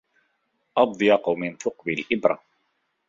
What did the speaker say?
أضيق من ثقب الإبرة